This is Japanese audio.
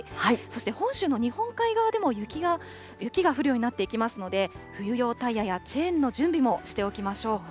そして、本州の日本海側でも雪が降るようになっていきますので、冬用タイヤやチェーンの準備もしておきましょう。